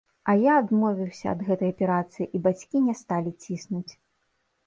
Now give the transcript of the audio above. А я адмовіўся ад гэтай аперацыі, і бацькі не сталі ціснуць.